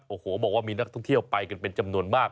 โอ้โหบอกว่ามีนักท่องเที่ยวไปกันเป็นจำนวนมาก